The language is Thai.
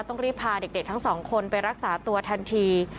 ต้องรีบพาเด็กทั้งสองคนไปรักษาตัวทันที